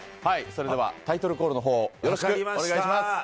それではタイトルコールのほうをよろしくお願いします。